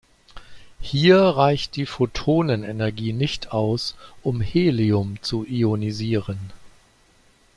Hier reicht die Photonenenergie nicht aus, um Helium zu ionisieren.